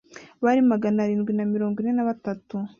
Bari magana arindwi na mirongo ine na batatu